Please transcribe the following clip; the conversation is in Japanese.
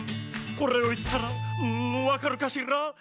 これをいったらわかるかしら？